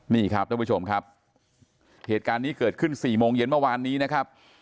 นี่ครับท่านผู้ชมครับเหตุการณ์นี้เกิดขึ้น๔โมงเย็นเมื่อวานนี้นะครับ